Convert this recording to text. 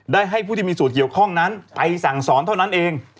ให้ผู้ที่มีส่วนเกี่ยวข้องนั้นไปสั่งสอนเท่านั้นเอง